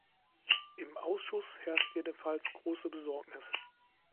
Im Ausschuss herrscht jedenfalls große Besorgnis.